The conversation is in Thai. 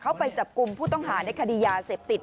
ไปจับกลุ่มผู้ต้องหาในคดียาเสพติด